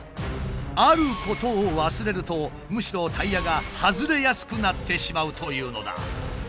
あることを忘れるとむしろタイヤが外れやすくなってしまうというのだ。